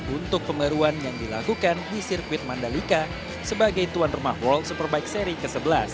untuk pembaruan yang dilakukan di sirkuit mandalika sebagai tuan rumah world superbike seri ke sebelas